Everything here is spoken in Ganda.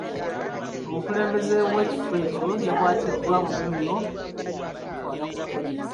Omukulembeze w'ekifo ekyo yakwatiddwa bubi nnyo okumutwala ku poliisi.